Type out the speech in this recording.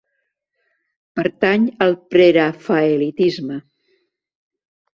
Pertany al Prerafaelitisme.